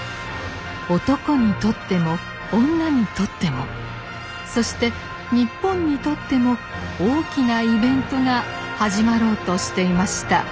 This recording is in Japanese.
男にとっても女にとってもそして日本にとっても大きなイベントが始まろうとしていました。